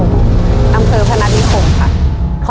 อำเภอพนัฐนิคมค่ะ